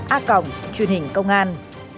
a cộng truyền hình công an